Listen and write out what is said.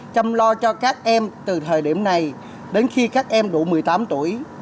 chăm lo cho các em từ thời điểm này đến khi các em đủ một mươi tám tuổi